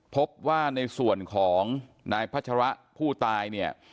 พบว่าในส่วนของนายพัชระผู้ตายเนี่ย